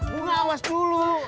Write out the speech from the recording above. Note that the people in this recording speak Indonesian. bunga awas dulu